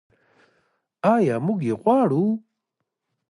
آیا موږ یې غواړو؟